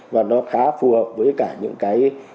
và nó khá phù hợp với cả những cái